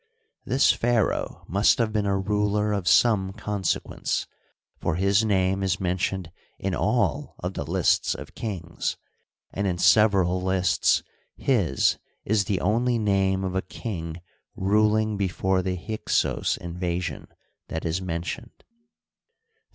This pharaoh must have been a ruler of some consequence, for his name is mentioned in all of the lists of kings, and in several lists his is the only name of a king ruling before the Hyksos invasion that is mentioned.